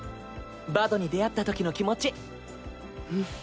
バドに出会った時の気持ち。